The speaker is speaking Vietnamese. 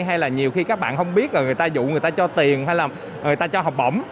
hay là nhiều khi các bạn không biết là người ta dụ người ta cho tiền hay là người ta cho học bổng